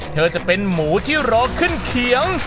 จะเป็นหมูที่รอขึ้นเขียง